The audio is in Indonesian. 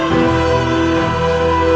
buatku tahu yang penting